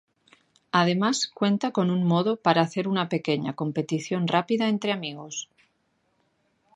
Además cuenta con un modo para hacer una pequeña competición rápida entre amigos.